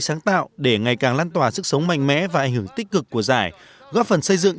sáng tạo để ngày càng lan tỏa sức sống mạnh mẽ và ảnh hưởng tích cực của giải góp phần xây dựng